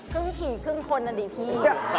ครึ่งผีครึ่งคนอ่ะดิพี่